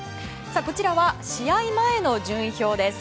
こちらは試合前の順位表です。